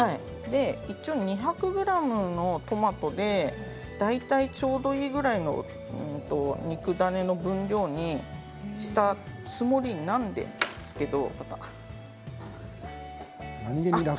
２００ｇのトマトで大体ちょうどいいぐらいの肉ダネの分量にしたつもりなんですけど。